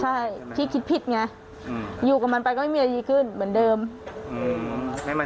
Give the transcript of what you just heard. ใช่พี่คิดผิดไงอยู่กับมันไปก็ไม่มีอะไรดีขึ้นเหมือนเดิมอืม